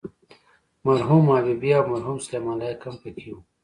مرحوم حبیبي او مرحوم سلیمان لایق هم په کې وو.